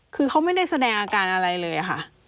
คือเขาไม่ได้แสดงอาการอะไรเลยค่ะ